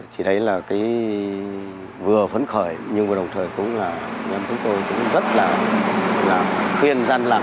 thì đấy là cái vừa phấn khởi nhưng mà đồng thời cũng là nhân chúng tôi cũng rất là khuyên dân làm